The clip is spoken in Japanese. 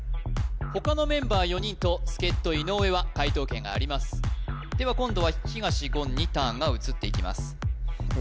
他のメンバー４人と助っ人・井上は解答権がありますでは今度は東言にターンが移っていきますえ